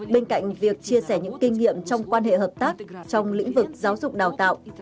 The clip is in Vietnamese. bên cạnh việc chia sẻ những kinh nghiệm trong quan hệ hợp tác trong lĩnh vực giáo dục đào tạo